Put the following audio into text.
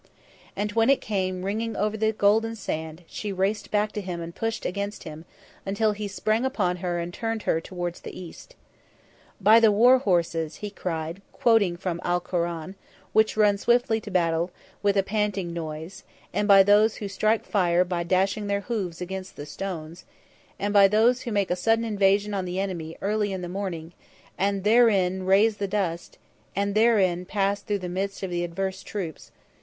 And when it came ringing clear over the golden sand, she raced back to him and pushed against him, until he sprang upon her and turned her towards the East. "By the war horses," he cried, quoting from Al Koran, "_which run swiftly to battle, with a panting noise; and by those who strike fire by dashing their hoofs against the stones; and by those who make a sudden invasion on the enemy early in the morning and therein raise the dust, and therein pass through the midst of the adverse troops_